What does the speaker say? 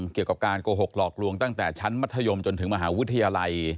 เกี่ยวกับการโกหกหลอกลวงตั้งแต่ชั้นมัธยมจนถึงมหาวิทยาลัย